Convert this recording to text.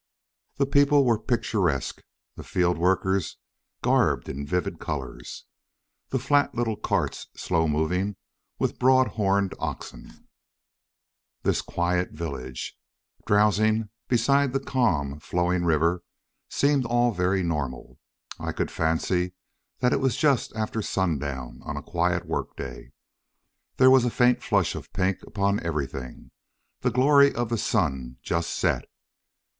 The people were picturesque, the field workers garbed in vivid colors. The flat little carts, slow moving, with broad horned oxen. This quiet village, drowsing beside the calm flowing river, seemed all very normal. I could fancy that it was just after sundown of a quiet workday. There was a faint flush of pink upon everything: the glory of the sun just set.